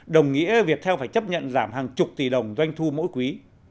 đồng nghĩa viettel phải chấp nhận giảm hàng chục tỷ đồng doanh thu mỗi quý